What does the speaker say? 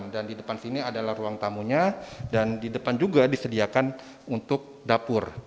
dan di depan sini adalah ruang tamunya dan di depan juga disediakan untuk dapur